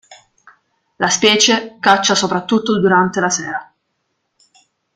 La specie caccia soprattutto durante la sera.